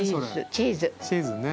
チーズね。